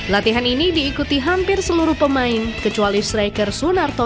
latihan ini diikuti hampir seluruh pemain kecuali striker sunarto